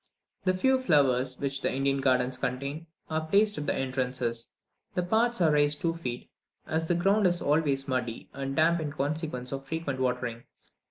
The few flowers which the Indian gardens contain, are placed at the entrances. The paths are raised two feet, as the ground is always muddy and damp in consequence of the frequent watering.